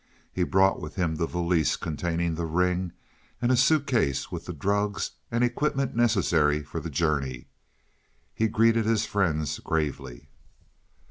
He brought with him the valise containing the ring and a suitcase with the drugs and equipment necessary for the journey. He greeted his friends gravely.